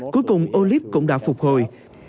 cuối cùng olip cũng đã phục hồi